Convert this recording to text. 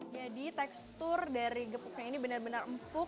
jadi tekstur dari gepuknya ini benar benar empuk